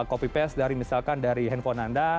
copy pass dari misalkan dari handphone anda